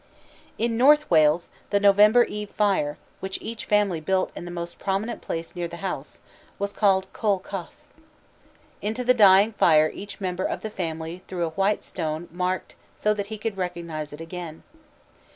In North Wales the November Eve fire, which each family built in the most prominent place near the house, was called Coel Coeth. Into the dying fire each member of the family threw a white stone marked so that he could recognize it again.